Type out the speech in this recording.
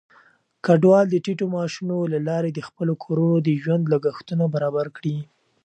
کډوال د ټيټو معاشونو له لارې د خپلو کورونو د ژوند لګښتونه برابر کړي.